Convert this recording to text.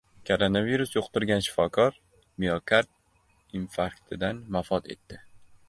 Koronavirus yuqtirgan shifokor miokard infarktidan vafot etdi